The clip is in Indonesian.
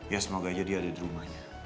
ya semoga aja dia ada di rumahnya